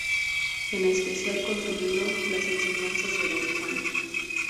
En especial con su libro "Las enseñanzas de Don Juan".